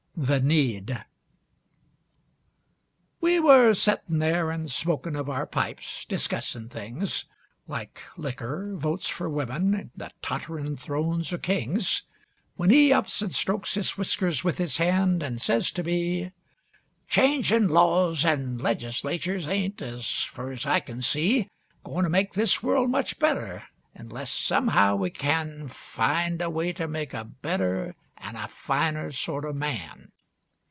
THE NEED We were settin' there an' smokin' of our pipes, discussin' things, Like licker, votes for wimmin, an' the totterin' thrones o' kings, When he ups an' strokes his whiskers with his hand an' says t' me: "Changin' laws an' legislatures ain't, as fur as I can see, Goin' to make this world much better, unless somehow we can Find a way to make a better an' a finer sort o' man.